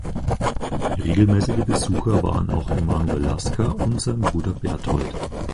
Regelmäßige Besucher waren auch Emanuel Lasker und sein Bruder Bertold.